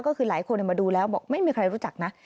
ก็คือหลายคนมาดูแล้วบอกไม่มีใครรู้จักนะ